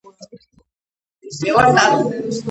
ღერო და ტოტები დაფარული აქვს კორპის სქელი ფენით.